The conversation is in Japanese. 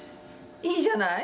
「いいじゃない」？